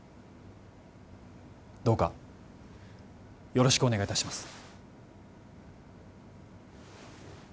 どうかよろしくお願いいたします